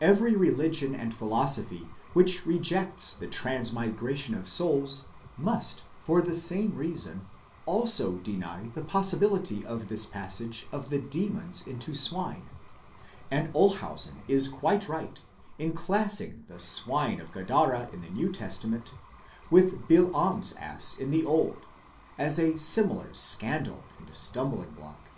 Every religion and philosophy which rejects the transmigration of souls, must, for the same reason, also deny the possibility of this passage of the demons into swine ; and Olshausen is quite right in class ing the swine of Gadara in the New Testament with Balaam's ass in the Old, as a similar scandal and stumbling block.